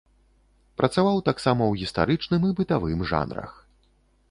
Працаваў таксама ў гістарычным і бытавым жанрах.